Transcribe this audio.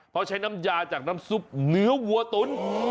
เพราะใช้น้ำยาจากน้ำซุปเนื้อวัวตุ๋น